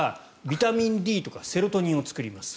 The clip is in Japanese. ビタミンＤとかセロトニンを作ります。